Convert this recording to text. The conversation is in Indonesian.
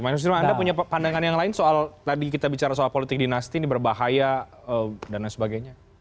mas susirwan anda punya pandangan yang lain soal tadi kita bicara soal politik dinasti ini berbahaya dan lain sebagainya